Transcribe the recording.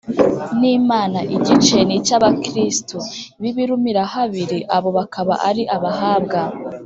n’imana. igice ni icy’abakristu b’ibirumirahabiri. abo bakaba ari abahabwa